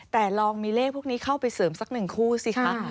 แต่ลองมีเลขพวกนี้เข้าไปเสริมสักหนึ่งคู่สิคะ